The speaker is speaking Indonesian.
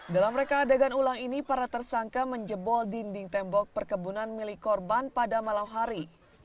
dalam reka adegan ulang ini para tersangka menjebol dinding tembok perkebunan milik korban pada malam hari